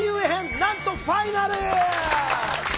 なんとファイナル！